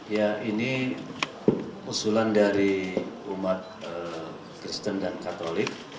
ya ini usulan dari umat kristen dan katolik